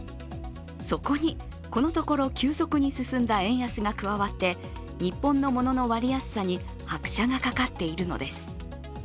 そこに、このところ急速に進んだ円安が加わって日本のモノの割安さに拍車がかかっているのです。